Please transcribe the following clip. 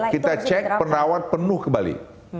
kita cek penerawat penuh ke bali